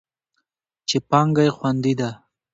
چې پانګه یې خوندي ده.